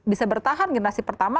bisa bertahan generasi pertama